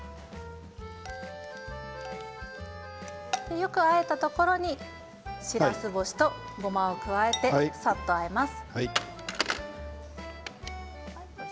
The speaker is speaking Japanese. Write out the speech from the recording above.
よく、あえたところにしらす干しとごまを加えてさっとあえます。